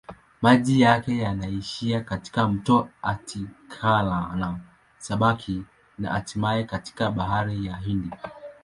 Maji yake yanaishia katika mto Athi-Galana-Sabaki na hatimaye katika Bahari ya Hindi.